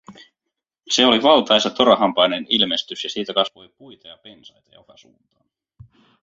Se oli valtaisa torahampainen ilmestys ja siitä kasvoi puita ja pensaita joka suuntaan.